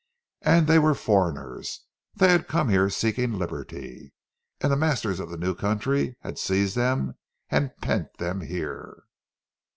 And they were foreigners; they had come here seeking liberty. And the masters of the new country had seized them and pent them here!